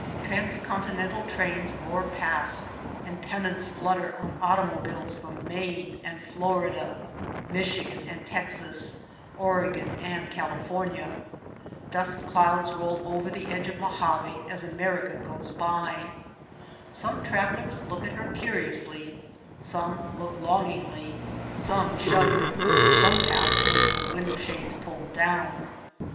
Transcontinental trains roar past and pennants flutter on automo biles from Maine and P^lorida, Michigan and Texas, Oregon and California. Dust clouds roll over the edge of Mojave as America goes by. Some travelers look at her curiously, some look longingly, some shudder, some pass with the window shades pulled down.